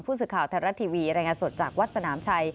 ผู้ศึกข่าวแทนรัฐทีวีแรงงานสดจากวัดสนามชัย